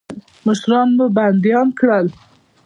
مشران مو بندیان کړل.